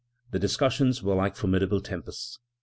The discussions were like formidable tempests.